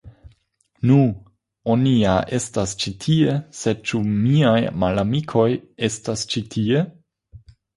Nu.. Oni ja estas ĉi tie sed ĉu miaj malamikoj estas ĉi tie?